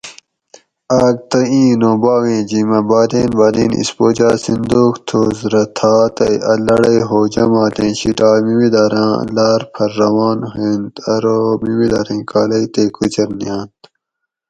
آک تہ ایں نوں باویں جیمہ بادیں باۤدین اسپوجا صُندوق تھوس رہ تھا تئ اۤ لڑئ ھو جاماڷیں شیٹائ میمیدراۤن لار پھر روان ھویئںت ارو میمیدریں کالئ تے کوچر نیاںت